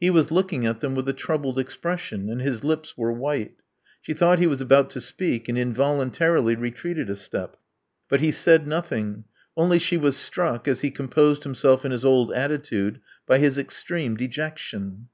He was looking at them with a troubled, expression; and, his lips were white. She thought he was about to speak, and invol untarily retreated a step. But he said nothing: only she was struck, as he composed himself in his old attitude, by his extreme dejection.